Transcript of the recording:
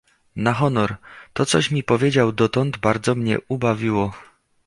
"Na honor, to coś mi powiedział dotąd, bardzo mnie ubawiło."